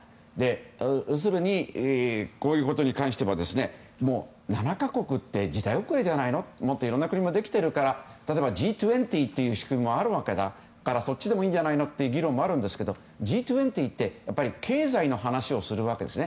要するにこういうことに関しては７か国って時代遅れなんじゃないのと例えばＧ２０という仕組みもあるわけだからそっちでいいんじゃないのって議論もあるんですが、Ｇ２０は経済の話をするわけですね。